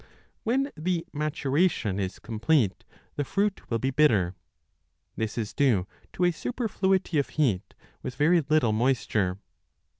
When the maturation is complete, the fruit will be bitter : this is due to a superfluity 10 of heat with very little moisture.